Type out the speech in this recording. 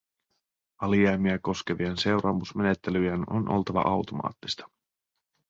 Alijäämiä koskevien seuraamusmenettelyjen on oltava automaattisia.